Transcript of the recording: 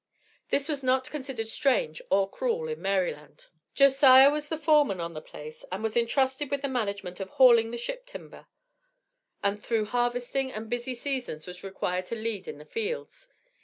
This was not considered strange or cruel in Maryland. Josiah was the "foreman" on the place, and was entrusted with the management of hauling the ship timber, and through harvesting and busy seasons was required to lead in the fields.